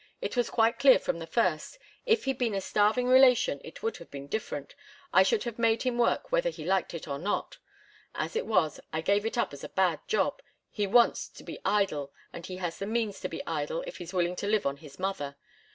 It was quite clear from the first. If he'd been a starving relation it would have been different. I should have made him work whether he liked it or not. As it was, I gave it up as a bad job. He wants to be idle, and he has the means to be idle if he's willing to live on his mother.